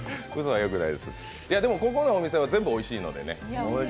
ここのお店は全部おいしいので。